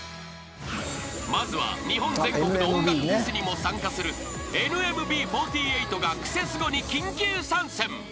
［まずは日本全国の音楽フェスにも参加するＮＭＢ４８が『クセスゴ』に緊急参戦］